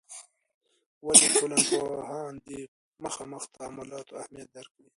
ولي ټولنپوهان د مخامخ تعاملاتو اهمیت درک کوي؟